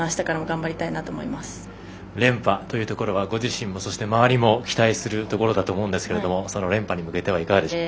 連覇というところはご自身も、そして回りも、期待しているところだと思うんですがその連覇に向けてはいかがでしょうか？